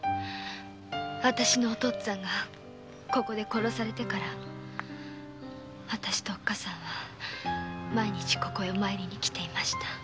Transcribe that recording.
あたしのお父っつぁんがここで殺されてからあたしとおっかさんは毎日ここへお参りにきていました。